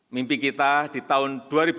mimpi kita di tahun dua ribu empat puluh lima